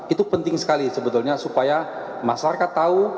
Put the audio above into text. itu penting sekali sebetulnya supaya masyarakat tahu